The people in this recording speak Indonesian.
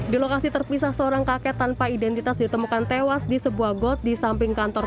di lokasi terpisah seorang kakek tanpa identitas ditemukan tewas di sebuah got di samping kantor